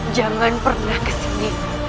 jangan pernah kesini